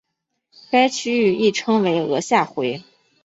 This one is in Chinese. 该区域亦称为额下回。